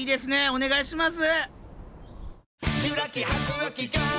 お願いします。